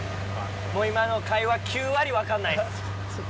今の会話、９割分かんないっ